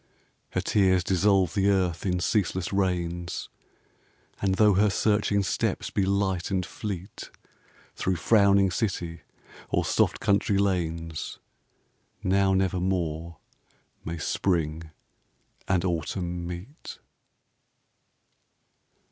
Her tears dissolve the earth in ceaseless rains And though her searching steps be light and fleet Through frowning city or soft country lanes, Now never more may Spring and Autumn meet.